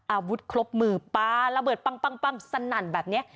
อาวุธครบมือปลาระเบิดปังสนั่นแบบนี้